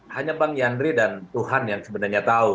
hanya bang yandri dan tuhan yang sebenarnya tahu